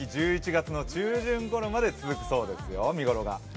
１１月の中旬ごろまで見頃が続くそうですよ。